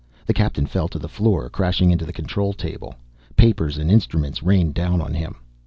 The Captain fell to the floor, crashing into the control table. Papers and instruments rained down on him.